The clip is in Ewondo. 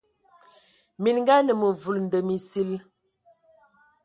Minga anə məvul ndəm esil.